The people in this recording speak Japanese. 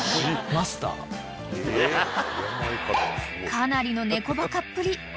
［かなりの猫バカっぷり］